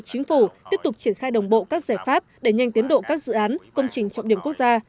chính phủ tiếp tục triển khai đồng bộ các giải pháp để nhanh tiến độ các dự án công trình trọng điểm quốc gia